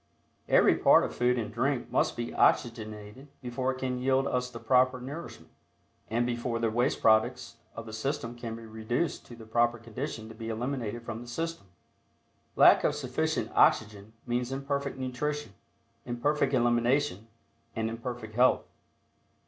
Every particle of food and drink must be oxygenated before it can yield us the proper nourishment, and before the waste products of the system can be reduced to the proper condition to be eliminated from the system. Lack of sufficient oxygen means Imperfect nutrition, Imperfect elimination and imperfect health.